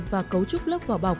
và cấu trúc lớp màng bọc